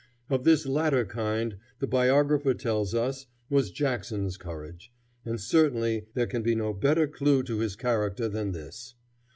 Of this latter kind, the biographer tells us, was Jackson's courage, and certainly there can be no better clew to his character than this.